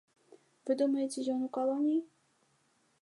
Вы думаеце, ён у калоніі?